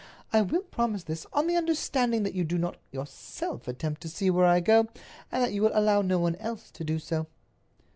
I will promise this on the understanding that you do not yourself attempt to see where I go, and that you will allow no one else to do so."